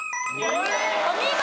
お見事！